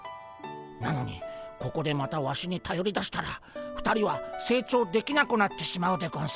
なのにここでまたワシにたよりだしたら２人は成長できなくなってしまうでゴンス。